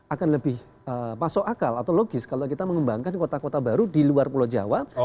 akan lebih masuk akal atau logis kalau kita mengembangkan kota kota baru di luar pulau jawa